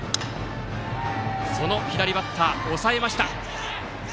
その左バッター、抑えました。